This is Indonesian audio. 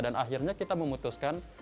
dan akhirnya kita memutuskan